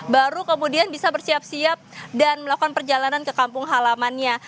baru kemudian bisa bersiap siap dan melakukan perjalanan ke kampung halamannya